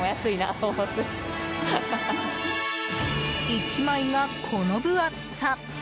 １枚が、この分厚さ。